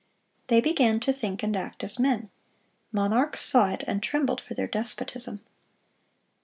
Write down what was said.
They began to think and act as men. Monarchs saw it, and trembled for their despotism.